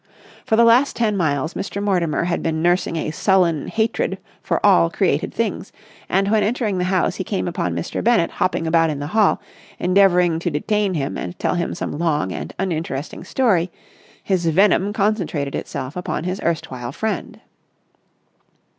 For the last ten miles Mr. Mortimer had been nursing a sullen hatred for all created things; and, when entering the house, he came upon Mr. Bennett hopping about in the hall, endeavouring to detain him and tell him some long and uninteresting story, his venom concentrated itself upon his erstwhile friend.